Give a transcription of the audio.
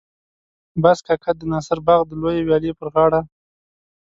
باز کاکا به د ناصر باغ د لویې ويالې پر غاړه.